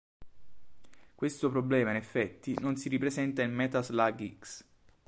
Questo problema in effetti non si ripresenta in "Metal Slug X".